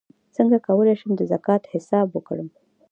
څنګه کولی شم د زکات حساب وکړم